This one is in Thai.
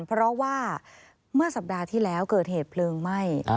เพราะว่าเมื่อสัปดาห์ที่แล้วเกิดเหตุเพลิงไหม้